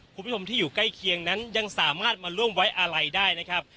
คุณผู้ชมที่อยู่ใกล้เคียงนั้นยังสามารถมาร่วมไว้อาลัยได้นะครับ